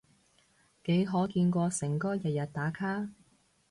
幾可見過誠哥日日打卡？